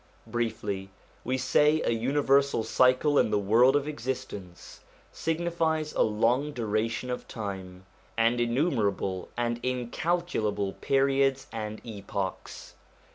Briefly, we say a universal cycle in the world of existence signifies a long duration of time, and in numerable and incalculable periods and epochs.